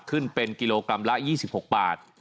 ขึ้นเป็นกิโลกรัมละ๒๖บาท